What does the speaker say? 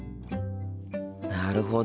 なるほど。